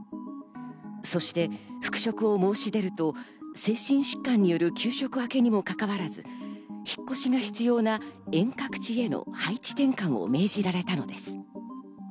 そして復職を申し出ると、精神疾患による休職明けにもかかわらず、引っ越しが必要な遠隔地への配置転換を命じられたのです。